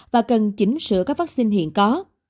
và cần chỉnh sửa các vắc xin hiện có